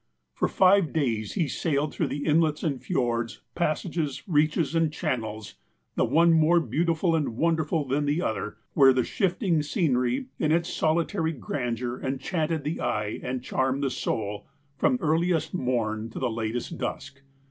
For five days he sailed tlirough inlets and fjords, pas sages, reaches and channels, the one more beautiful and wonderful than the other, where the shifting scenery, in it.s solitary grandeur, enchanted the eye and charmed the soul, from earliest morn to latest dusk.